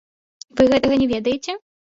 Вы гэтага не ведаеце?